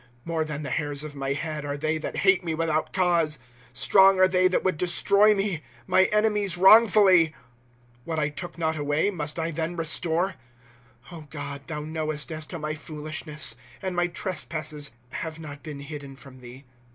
* More than the hairs of my head arc they that hate mo witli out cause ; Strong are they that would destroy me, my enemies wrong fully. What I took not away, must I then restore, 5 O God, thou knowesfc as to my foolishness. And my trespasses have not been hidden from thee.